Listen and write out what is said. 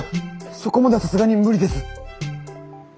そこまではさすがに無理です。